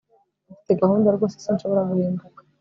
Mfite gahunda rwose sinshobora guhinduka